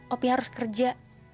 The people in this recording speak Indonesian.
opi harus kerja